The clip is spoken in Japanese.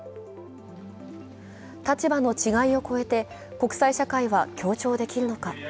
立場の違いを超えて国際社会は協調できるのか。